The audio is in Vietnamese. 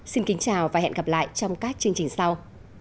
xin kính chào và hẹn gặp lại trong các chương trình sau